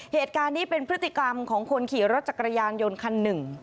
เหตุการณ์นี้เป็นพฤติกรรมของคนขี่รถจักรยานยนต์คันหนึ่ง